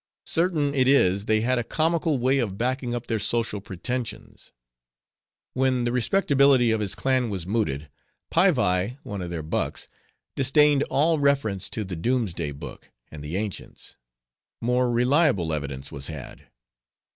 Certain it is, they had a comical way of backing up their social pretensions. When the respectability of his clan was mooted, Paivai, one of their bucks, disdained all reference to the Dooms day Book, and the ancients. More reliable evidence was had.